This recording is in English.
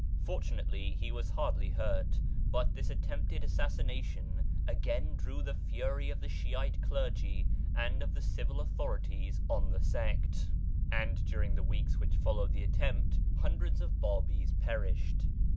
Fortun ately he was hardly hurt ; but this attempted assassination again drew the fury of the Shiite clergy and of the civil authorities on the sect, and during the weeks which followed the attempt hundreds of Babis perished.